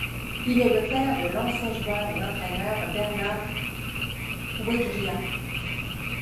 Il est le père de l'ancien joueur et entraîneur Bernard Wégria.